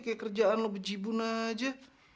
kayak kerjaan lo bejibun aja